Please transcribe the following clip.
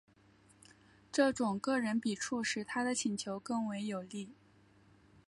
这种个人笔触使他的请求更为有力。